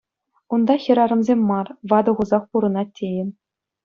Унта хӗрарӑмсем мар, ватӑ хусах пурӑнать тейӗн.